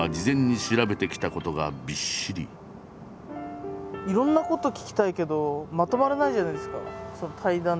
いろんなこと聞きたいけどまとまらないじゃないですか対談って。